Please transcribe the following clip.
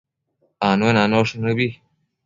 Anuenanosh nëbi